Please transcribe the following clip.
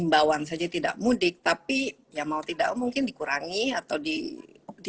pilih dari bagaimana memanced